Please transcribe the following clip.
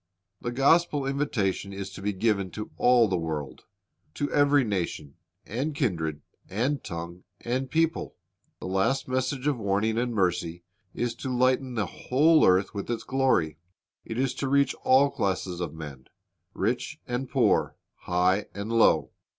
The gospel invitation is to be given to all the world, — "to every nation, and kindred, and tongue, and people."^ The last message of warning and mercy is to lighten the whole earth with its glory. It is to reach all classes of men, rich and poor, high and low.